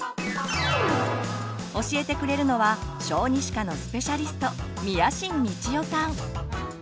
教えてくれるのは小児歯科のスペシャリスト